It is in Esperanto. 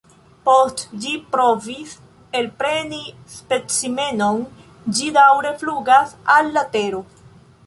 Post ĝi provis elpreni specimenon, ĝi daŭre flugas al la tero.